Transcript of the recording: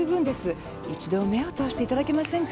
一度目を通していただけませんか？